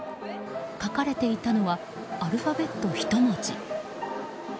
書かれていたのはアルファベット１文字。